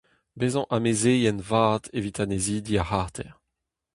Bezañ amezeien vat evit annezidi ar c'harter.